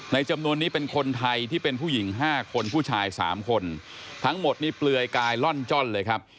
จำนวนนี้เป็นคนไทยที่เป็นผู้หญิง๕คนผู้ชาย๓คนทั้งหมดนี่เปลือยกายล่อนจ้อนเลยครับ